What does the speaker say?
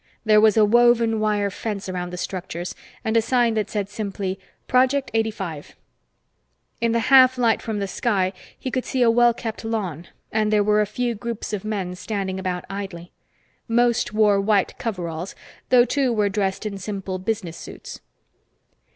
There was a woven wire fence around the structures, and a sign that said simply: Project Eighty Five. In the half light from the sky, he could see a well kept lawn, and there were a few groups of men standing about idly. Most wore white coveralls, though two were dressed in simple business suits.